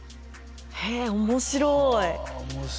へえ面白い。